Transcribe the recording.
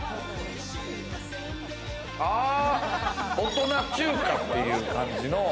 大人中華っていう感じの。